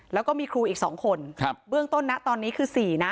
แล้วก็มีครูอีก๒คนครับเบื้องต้นนะตอนนี้คือ๔นะ